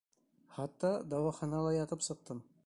Хатта дауаханала ятып сыҡтым.